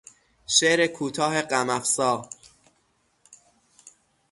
شعر کوتاه غم افزا